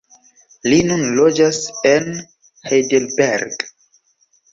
Li nun loĝas en Heidelberg.